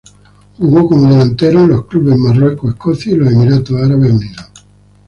Jugó como delantero en los clubes en Marruecos, Escocia y los Emiratos Árabes Unidos.